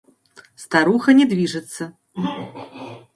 Старуха не движется.